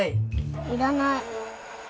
要らない。